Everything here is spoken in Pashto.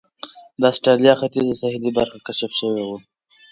د اسټرالیا ختیځه ساحلي برخه کشف شوې وه.